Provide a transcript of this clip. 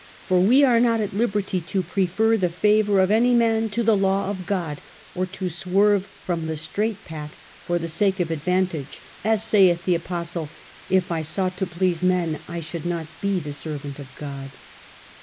For we are not at liberty to prefer the favour of any man to the law of God, or to swerve from the straight path for the sake of ad vantage, as saith the Apostle, " K I sought to please men I should not be the servant of God."